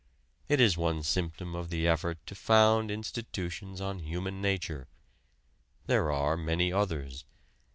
It is one symptom of the effort to found institutions on human nature. There are many others.